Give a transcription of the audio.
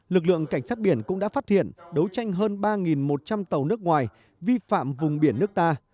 lực lượng cảnh sát biển cũng đã phát hiện đấu tranh hơn ba một trăm linh tàu nước ngoài vi phạm vùng biển nước ta